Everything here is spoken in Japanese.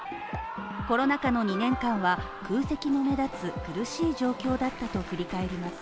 コロナ禍の２年間は空席の目立つ苦しい状況だったと振り返ります。